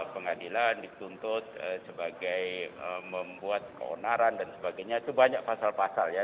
pengadilan dituntut sebagai membuat keonaran dan sebagainya itu banyak pasal pasal ya